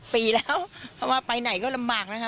ปีแล้วเพราะว่าไปไหนก็ลำบากนะคะ